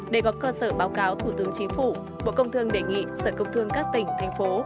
để có cơ sở báo cáo thủ tướng chính phủ bộ công thương đề nghị sở công thương các tỉnh thành phố